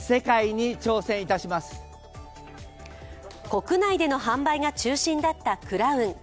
国内での販売が中心だったクラウン。